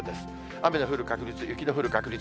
雨の降る確率、雪の降る確率。